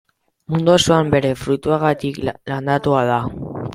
Mundu osoan bere fruituagatik landatua da.